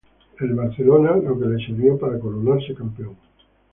El Barcelona, lo que le sirvió para coronarse campeón.